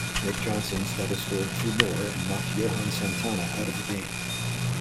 Nick Johnson's double scored two more and knocked Johan Santana out of the game.